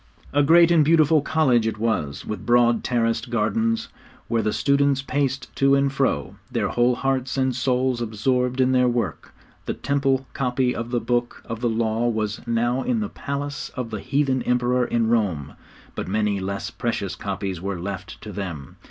A great and beautiful college it was, with broad terraced gardens, where the students paced to and fro, their whole hearts and souls absorbed in their work. The Temple copy of the Book of the Law was now in the palace of the heathen Emperor in Rome, but many less precious copies were left to them.